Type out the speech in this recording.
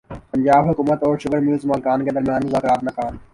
پنجاب حکومت اور sugar mills مالکان کے درمیان مذاکرات ناکام